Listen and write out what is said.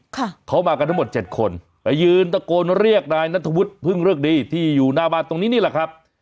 ค่ะเขามากันทั้งหมดเจ็ดคนไปยืนตะโกนเรียกนายนัทวุฒิพึ่งเริกดีที่อยู่หน้าบ้านตรงนี้นี่แหละครับ